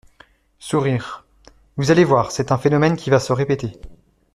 (Sourires.) Vous allez voir, c’est un phénomène qui va se répéter.